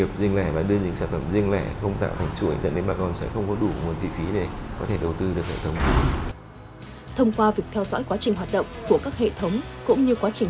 cũng như quá trình phát triển của các cây công nghiệp trong khu vực nhà màng